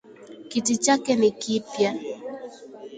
Kiti chake ni kipya